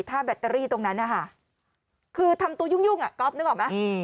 ถ้าแบตเตอรี่ตรงนั้นนะคะคือทำตัวยุ่งอ่ะก๊อฟนึกออกไหม